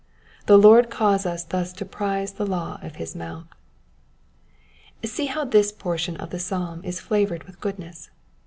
The Lord cause us thus to prize the law of his mouth. See how this portion of the psalm is flavoured with goodness.